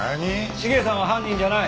茂さんは犯人じゃない。